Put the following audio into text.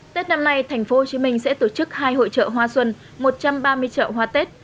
tết năm nay thành phố hồ chí minh sẽ tổ chức hai hội chợ hoa xuân một trăm ba mươi chợ hoa tết